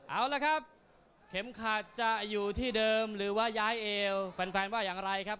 เอาละครับเข็มขัดจะอยู่ที่เดิมหรือว่าย้ายเอวแฟนว่าอย่างไรครับ